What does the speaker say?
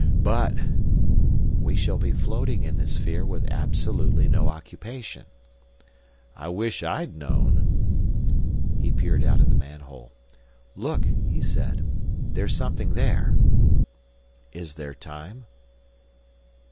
"But—" "We shall be floating in this sphere with absolutely no occupation." "I wish I'd known—" He peered out of the manhole. "Look!" he said. "There's something there!" "Is there time?"